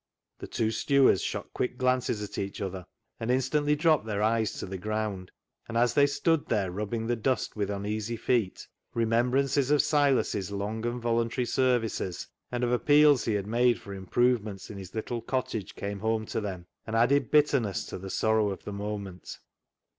The two stewards shot quick glances at each other, and instantly dropped their eyes to the ground, and as they stood there rubbing the dust with uneasy feet, remembrances of Silas' long and voluntary services and of appeals he had made for improvements in his little cottage came home to them, and added bitterness to the sorrow of the moment.